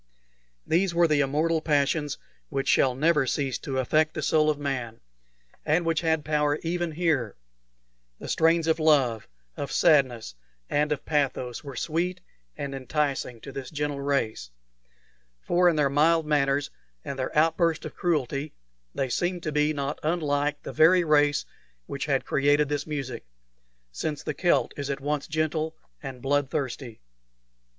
These were the immortal passions which shall never cease to affect the soul of man, and which had power even here; the strains of love, of sadness, and of pathos were sweet and enticing to this gentle race; for in their mild manners and their outburst of cruelty they seemed to be not unlike the very race which had created this music, since the Celt is at once gentle and blood thirsty.